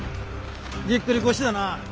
ぎっくり腰だな。